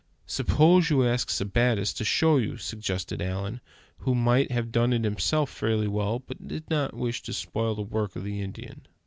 "Suppose you ask Sebattis to show you," suggested Allan; who might have done it himself fairly well, but did not wish to spoil the work of the Indian.